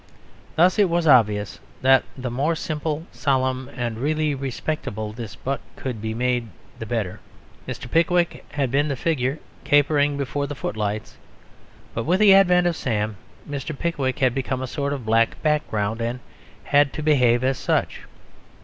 Thus it was obvious that the more simple, solemn, and really respectable this butt could be made the better. Mr. Pickwick had been the figure capering before the footlights. But with the advent of Sam, Mr. Pickwick had become a sort of black background and had to behave as such.